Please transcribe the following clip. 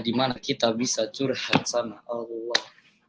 dimana kita bisa curhat sama allah